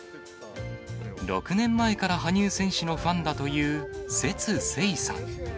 ６年前から羽生選手のファンだという薛晴さん。